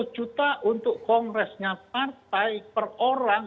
seratus juta untuk kongresnya partai per orang